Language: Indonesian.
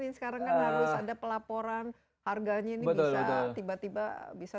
gimana ini yang perlu dilaporkan kami sekarang ada pelaporan harganya ini betul tiba tiba bisa